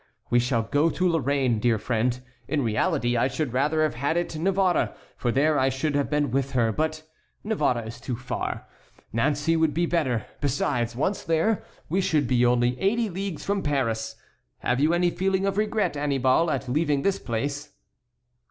We shall go to Lorraine, dear friend. In reality I should rather have had it Navarre, for there I should have been with her, but Navarre is too far; Nancey would be better; besides, once there, we should be only eighty leagues from Paris. Have you any feeling of regret, Annibal, at leaving this place?"